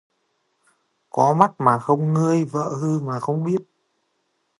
Có mắt mà không ngươi, vợ hư mà không biết